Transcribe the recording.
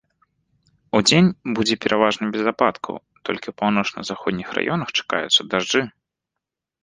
Удзень будзе пераважна без ападкаў, толькі ў паўночна-заходніх раёнах чакаюцца дажджы.